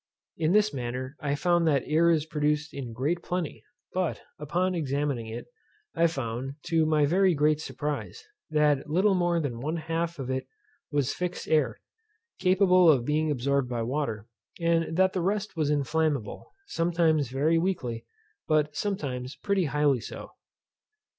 In this manner I found that air is produced in great plenty; but, upon examining it, I found, to my very great surprise, that little more than one half of it was fixed air, capable of being absorbed by water; and that the rest was inflammable, sometimes very weakly, but sometimes pretty highly so.